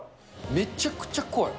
めちゃくちゃ濃い。